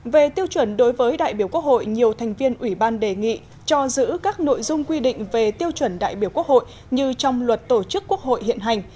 về tiêu chuẩn đối với đại biểu quốc hội nhiều thành viên ủy ban đề nghị cho giữ các nội dung quy định về tiêu chuẩn đại biểu quốc hội như trong luật tổ chức quốc hội hiện hành